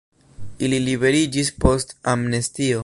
Ili liberiĝis post amnestio.